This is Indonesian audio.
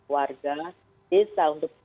warga desa untuk